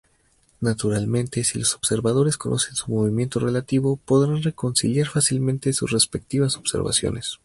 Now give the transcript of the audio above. Naturalmente, si los observadores conocen su movimiento relativo, podrán reconciliar fácilmente sus respectivas observaciones.